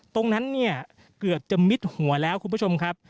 ตรงนั้นเนี่ยเกือบจะมิดหัวแล้วคุณผู้ชมครับ